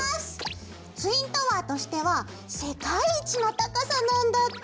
ツインタワーとしては世界一の高さなんだって。